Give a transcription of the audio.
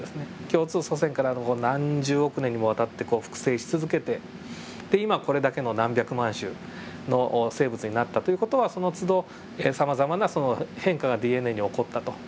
共通祖先からの何十億年にもわたって複製し続けてで今これだけの何百万種の生物になったという事はそのつどさまざまな変化がＤＮＡに起こったと。